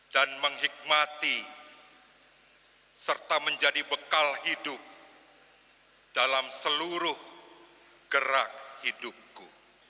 dan menghikmati serta menjadi bekal hidup dalam seluruh gerak hidupku